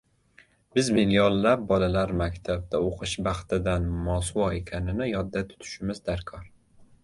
Biz millionlab bolalar maktabda o‘qish baxtidan mosuvo ekanini yodda tutishimiz darkor.